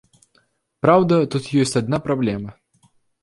Праўда, тут ёсць адна праблема.